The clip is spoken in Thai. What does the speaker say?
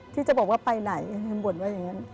ที่จะบอกว่าไปไหนท่านบ่นว่าอย่างนั้น